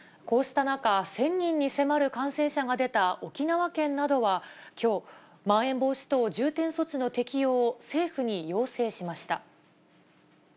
こうした中、１０００人に迫る感染者が出た沖縄県などは、きょう、まん延防止等重点措置の適用を政府に要請しました。